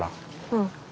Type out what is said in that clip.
うん。